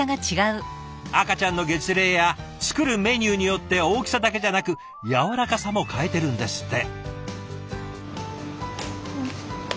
赤ちゃんの月齢や作るメニューによって大きさだけじゃなくやわらかさも変えてるんですって。